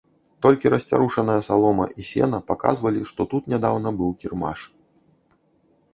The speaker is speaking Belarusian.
Толькі расцярушаная салома і сена паказвалі, што тут нядаўна быў кірмаш.